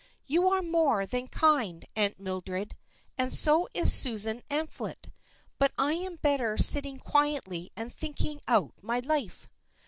"You are more than kind, Aunt Mildred, and so is Susan Amphlett; but I am better sitting quietly and thinking out my life."